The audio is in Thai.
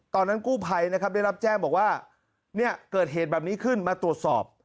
ตอนนั้นกู้ภัยนะครับได้รับแจ้งบอกว่าเนี่ยเกิดเหตุแบบนี้ขึ้นมาตรวจสอบ